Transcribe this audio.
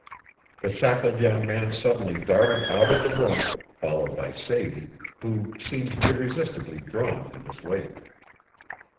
The shackled young man suddenly darted out of the room, followed by Sadie, who seemed irresistibly drawn in his wake.